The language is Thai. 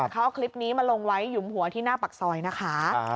เขาเอาคลิปนี้มาลงไว้หยุมหัวที่หน้าปากซอยนะคะ